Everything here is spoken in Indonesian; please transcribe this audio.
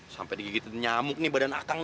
sampai digigit nyamuk nih badan akang